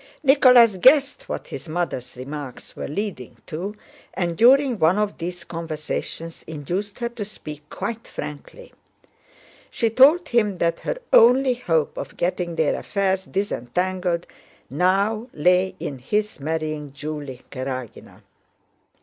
Nicholas guessed what his mother's remarks were leading to and during one of these conversations induced her to speak quite frankly. She told him that her only hope of getting their affairs disentangled now lay in his marrying Julie Karágina.